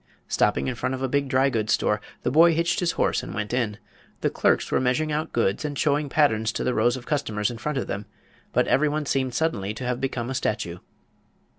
Stopping in front of a big dry goods store, the boy hitched his horse and went in. The clerks were measuring out goods and showing patterns to the rows of customers in front of them, but everyone seemed suddenly to have become a statue.